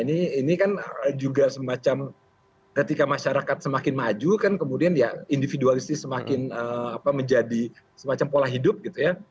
ini kan juga semacam ketika masyarakat semakin maju kan kemudian ya individualistis semakin menjadi semacam pola hidup gitu ya